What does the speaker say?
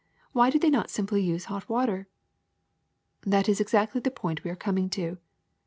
Why do they not simply use hot water?" *^That is exactly the point we are coming to.